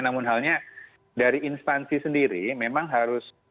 namun halnya dari instansi sendiri memang harus